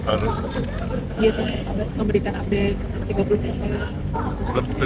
iya saya sudah memberikan update